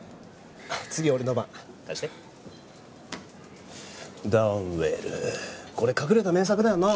次俺の番貸してダウンウェルこれ隠れた名作だよな